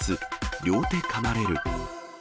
両手かまれる。